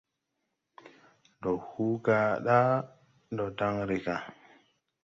Ndɔ hu ga ɗa ndɔ daŋ re gà.